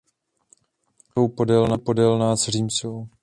Okna jsou podélná s římsou.